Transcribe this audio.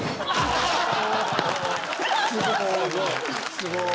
すごーい。